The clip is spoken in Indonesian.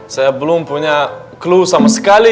saya belum punya clue sama sekali